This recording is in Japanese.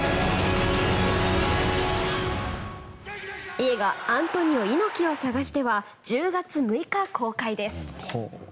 映画「アントニオ猪木をさがして」は１０月６日公開です。